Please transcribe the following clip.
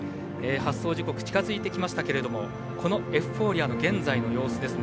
発走時刻近づいてきましたけれどもこのエフフォーリアの現在の様子ですね。